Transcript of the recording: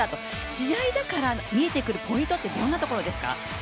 試合だから見えてくるポイントってどんなところですか？